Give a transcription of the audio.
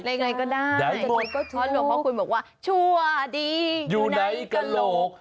อะไรไงก็ได้เพราะหลวงพ่อคูณบอกว่าชัวร์ดีอยู่ในกระโลก